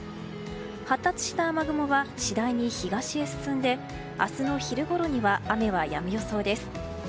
発達した雨雲は次第に東へ進んで明日の昼ごろには雨はやむ予想です。